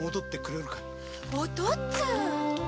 お父っつぁん！